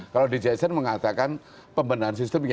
kalau djsn mengatakan pembenahan sistemnya